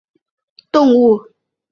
隆线强蟹为长脚蟹科强蟹属的动物。